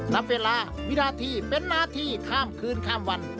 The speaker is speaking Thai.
นับเวลาวิราธิเป็นมาที่ค่ำคืนค่ำวัน